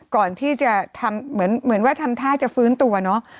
ก่อนที่จะทำเหมือนว่าทำท่าจะฟื้นตัวเนอะ